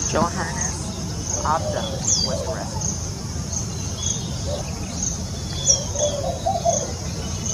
Johannes Opdam was arrested.